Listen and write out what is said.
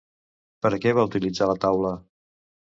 Per a què va utilitzar la taula?